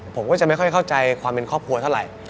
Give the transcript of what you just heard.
ผมก็จะไม่ค่อยเข้าใจความเป็นครอบครัวเท่าไหร่